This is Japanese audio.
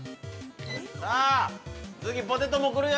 さあ、次ポテトも来るよ。